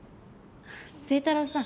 清太郎さん